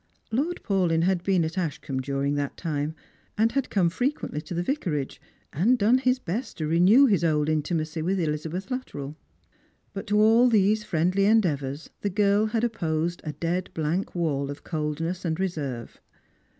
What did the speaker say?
Lord Paulyn had been at Ashccmbe during that time, and had come frequently to the Vicarage, and done his best to renew his old intimacy with Elizabeth Luttrell. But to all these friendly endeavours the girl had opposed a dead blank wall of coldness and reserve.